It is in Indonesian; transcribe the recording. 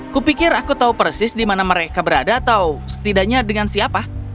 kupikir aku tahu persis di mana mereka berada atau setidaknya dengan siapa